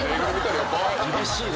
厳しいな。